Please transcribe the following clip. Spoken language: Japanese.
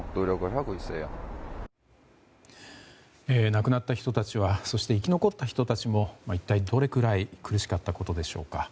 亡くなった人たちはそして生き残った人たちも一体どれくらい苦しかったことでしょうか。